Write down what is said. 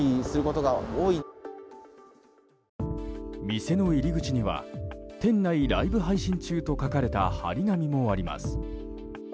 店の入り口には「店内ライブ配信中」と書かれた貼り紙もあります。